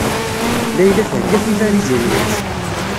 Layla theyya tibalizin-nnes.